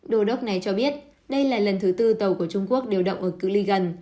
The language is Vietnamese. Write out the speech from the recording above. đô đốc này cho biết đây là lần thứ tư tàu của trung quốc điều động ở cựu ly gần